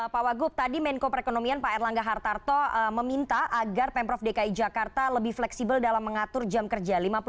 pak wagub tadi menko perekonomian pak erlangga hartarto meminta agar pemprov dki jakarta lebih fleksibel dalam mengatur jam kerja